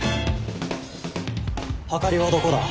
あかりはどこだ？